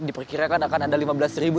diperkirakan akan ada lima belas ribu